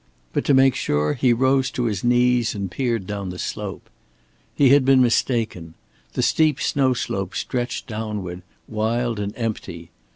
But to make sure he rose to his knees and peered down the slope. He had been mistaken. The steep snow slopes stretched downward, wild and empty.